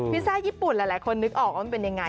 ซ่าญี่ปุ่นหลายคนนึกออกว่ามันเป็นยังไง